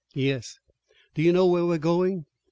"Yes." "Do you know where we're going?"